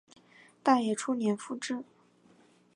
大业初年复置。